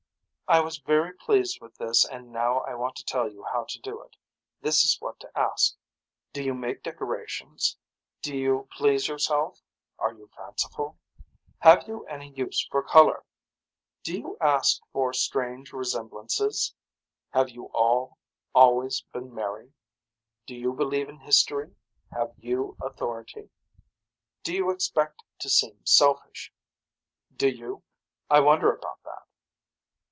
I was very pleased with this and now I want to tell you how to do it. This is what to ask. Do you make decorations. Do you please yourself. Are you fanciful. Have you any use for color. Do you ask for strange resemblances. Have you all always been merry. Do you believe in history. Have you authority. Do you expect to seem selfish. Do you. I wonder about that.